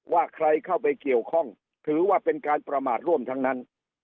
ว่าใครเข้าไปเกี่ยวข้องถือว่าเป็นการประมาทร่วมทั้งนั้น